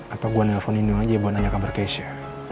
apa gue nelfon nindung aja buat nanya kabar keisha